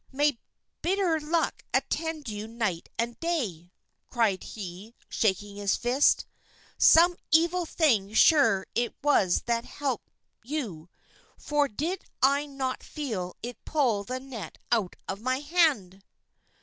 "May bitter luck attend you night and day!" cried he, shaking his fist. "Some evil thing sure it was that helped you, for did I not feel it pull the net out of my hand!"